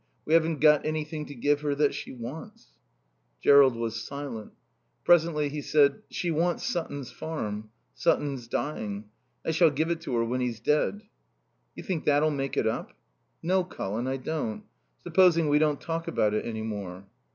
We haven't got anything to give her that she wants." Jerrold was silent. Presently he said, "She wants Sutton's farm. Sutton's dying. I shall give it to her when he's dead." "You think that'll make up?" "No, Colin, I don't. Supposing we don't talk about it any more."